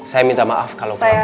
saya minta maaf kalau bapak